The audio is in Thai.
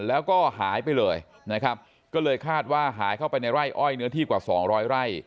แล้วก็หายไปเลยนะครับก็เลยคาดว่าหายเข้าไปในไร่อ้อยเนื้อที่กว่าสองร้อยไร่